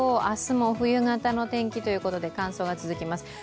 明日も冬型の天気ということで乾燥が続きます。